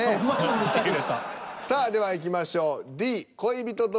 さあではいきましょう。